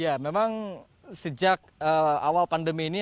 ya memang sejak awal pandemi ini